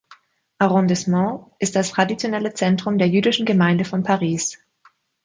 Arrondissements ist das traditionelle Zentrum der jüdischen Gemeinde von Paris.